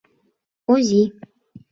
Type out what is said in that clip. Ози!..